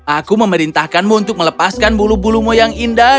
aku memerintahkanmu untuk melepaskan bulu bulumu yang indah